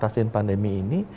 pokoknya kunden moi